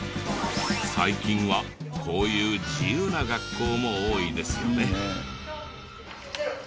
最近はこういう自由な学校も多いですね。